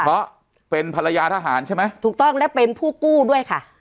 เพราะเป็นภรรยาทหารใช่ไหมถูกต้องและเป็นผู้กู้ด้วยค่ะ